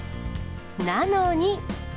なのに。